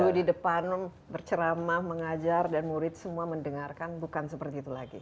guru di depan berceramah mengajar dan murid semua mendengarkan bukan seperti itu lagi